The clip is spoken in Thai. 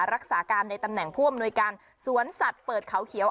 รักษาการในตำแหน่งผู้อำนวยการสวนสัตว์เปิดเขาเขียว